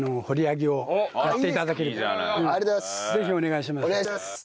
ぜひお願いします。